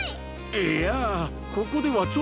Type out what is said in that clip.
いやここではちょっと。